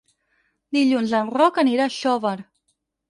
Dilluns en Roc anirà a Xóvar.